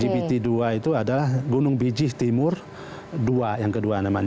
gbt dua itu adalah gunung bijih timur dua yang kedua namanya